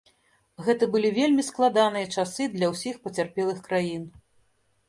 Гэта былі вельмі складаныя часы для ўсіх пацярпелых краін.